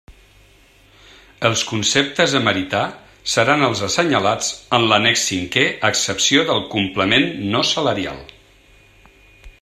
Els conceptes a meritar seran els assenyalats en l'annex V a excepció del complement no salarial.